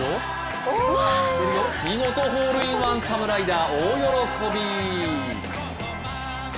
見事ホールインワンサム・ライダー大喜び。